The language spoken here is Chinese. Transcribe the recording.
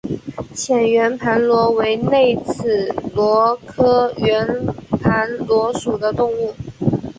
浅圆盘螺为内齿螺科圆盘螺属的动物。